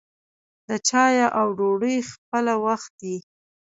د چايو او ډوډۍ خپله وخت يي.